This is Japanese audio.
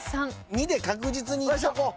２で確実にいっとこう。